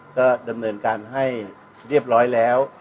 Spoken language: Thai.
ก็ดำเนินการให้เรียบร้อยแล้ว